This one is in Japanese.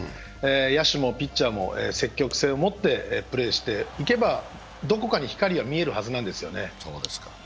野手もピッチャーも積極性を持ってプレーしていけば、どこかに光が見えるはずなんですよね。